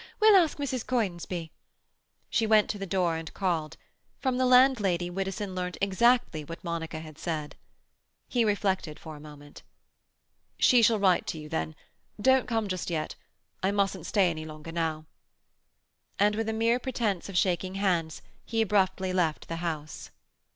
We'll ask Mrs. Conisbee." She went to the door and called. From the landlady Widdowson learnt exactly what Monica had said. He reflected for a moment. "She shall write to you then. Don't come just yet. I mustn't stay any longer now." And with a mere pretence of shaking hands he abruptly left the house.